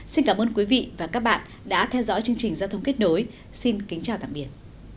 xin cảm ơn quý vị và các bạn đã theo dõi chương trình giao thông kết nối xin kính chào tạm biệt